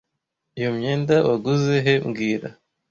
Iyo myenda waguze he mbwira